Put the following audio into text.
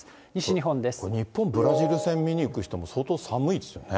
日本・ブラジル戦見に行く人も、相当寒いですよね。